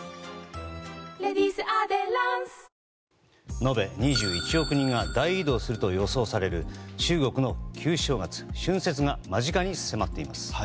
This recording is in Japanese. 延べ２１億人が大移動すると予想される中国の旧正月・春節が間近に迫っています。